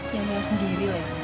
ya mau sendiri lah